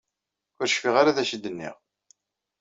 Ur cfiɣ ara d acu i d-nniɣ.